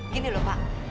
gini loh pak